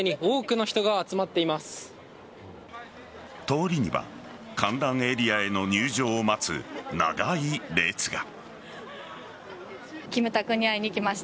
通りには観覧エリアへの入場を待つ長い列が。